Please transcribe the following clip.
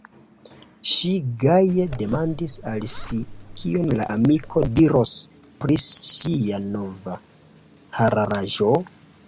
Ŝi gaje demandis al si, kion la amiko diros pri ŝia nova hararanĝo.